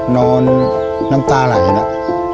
น้ำตาไหลแล้ว